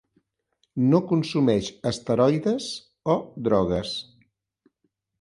No consumeix esteroides o drogues.